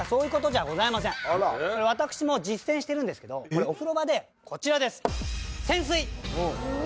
私も実践してるんですけどお風呂場でこちらです。